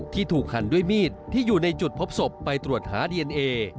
ที่ถูกหันด้วยมีดที่อยู่ในจุดพบศพไปตรวจหาดีเอนเอ